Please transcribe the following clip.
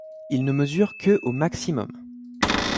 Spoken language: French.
Il ne mesure que au maximum.